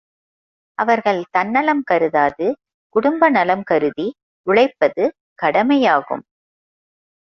அவர்கள் தன்னலம் கருதாது குடும்ப நலம் கருதி உழைப்பது கடமையாகும்.